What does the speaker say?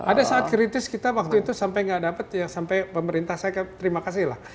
ada saat kritis kita waktu itu sampai nggak dapat ya sampai pemerintah saya terima kasih lah